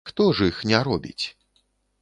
Хто ж іх не робіць?